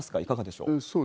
いかがでしょう？